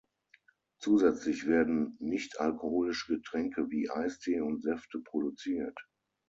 Zusätzlich werden nichtalkoholische Getränke wie Eistee und Säfte produziert.